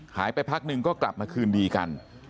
พักหนึ่งก็กลับมาคืนดีกัน